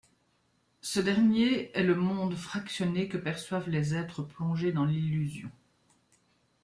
Ce dernier est le monde fractionné que perçoivent les êtres plongés dans l'illusion.